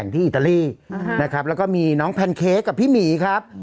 ที่อิตาลีนะครับแล้วก็มีน้องแพนเค้กกับพี่หมีครับ